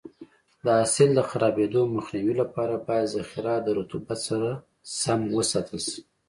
د حاصل د خرابېدو مخنیوي لپاره باید ذخیره د رطوبت سره سم وساتل شي.